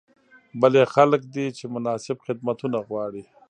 بل یې خلک دي چې مناسب خدمتونه غواړي.